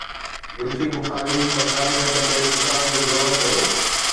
زلفي بخاري سرڪاري خرچ تي چترال جو دورو ڪيو